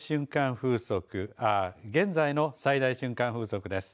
風速現在の最大瞬間風速です。